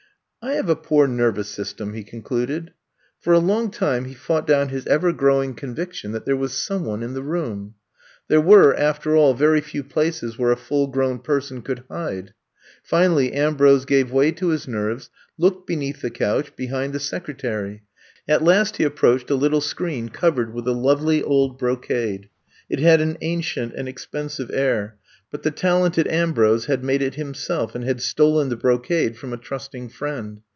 I have a poor nervous system,'* he con cluded. For a long time he fought down his ever growing conviction that there was some one in the room. There were, after all, very few places where a fuUgrown person could hide. Finally, Ambrose gave way to his nerves, looked beneath the couch, behind the secretary. At last he approached a little screen covered with a lovely old bro cade. It had an ancient and expensive air, but the talented Ambrose had made it him self, and had stolen the brocade from a trusting friend.